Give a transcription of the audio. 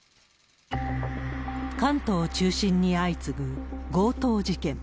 関東を中心に相次ぐ強盗事件。